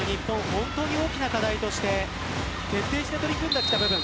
本当に大きな課題として徹底して取り組んできた部分。